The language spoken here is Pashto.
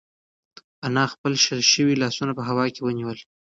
انا خپل شل شوي لاسونه په هوا کې ونیول.